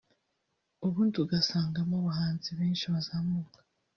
ubundi ugasangamo abahanzi benshi bazamuka